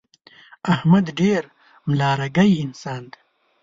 احمد ډېر ملا رګی انسان دی.